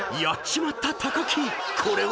［やっちまった木。